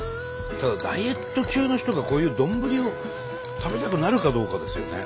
ただダイエット中の人がこういう丼を食べたくなるかどうかですよね。